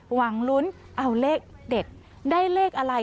หวังลุ้นเอาเลขเด็ดได้เลขอะไร